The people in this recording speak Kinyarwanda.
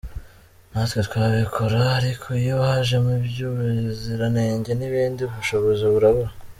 Natwe twabikora ariko iyo hajemo iby’ubuziranenge n’ibindi, ubushobozi burabura.